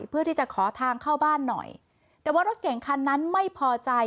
เพื่อที่จะขอทางเข้าบ้านหน่อยแต่ว่ารถเก่งคันนั้นไม่พอใจ